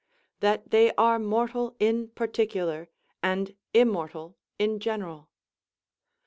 _ "That they are mortal in particular, and immortal in general."